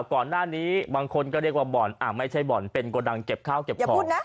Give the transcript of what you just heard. ก่อนหน้านี้บางคนก็เรียกว่าบ่อนไม่ใช่บ่อนเป็นโกดังเก็บข้าวเก็บของ